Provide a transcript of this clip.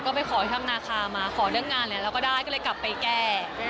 ก็ไปขอที่ถ้ำนาคามาขอเรื่องงานเนี่ยเราก็ได้ก็เลยกลับไปแก้